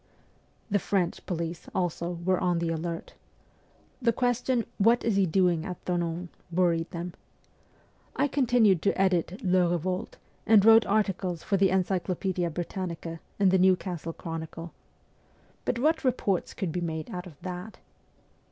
The French police, also, were on the alert. The question, ' What is he doing at Thonon ?' worried them. I continued to edit 'Le Eevolte,' and wrote articles for the ' Encyclopaedia Britannica ' and the ' Newcastle Chronicle.' But what reports could be made out of that